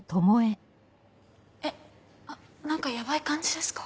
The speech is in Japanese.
え何かヤバい感じですか？